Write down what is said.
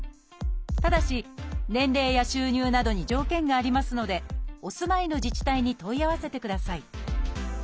ただし年齢や収入などに条件がありますのでお住まいの自治体に問い合わせてください。